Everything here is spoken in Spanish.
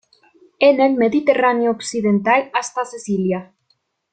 En el Mediterráneo occidental, hasta Sicilia.